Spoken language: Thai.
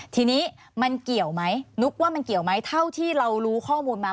ทีนี้มันเกี่ยวไหมนุ๊กว่ามันเกี่ยวไหมเท่าที่เรารู้ข้อมูลมา